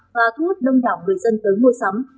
và thu hút đông đảo người dân tới mua sắm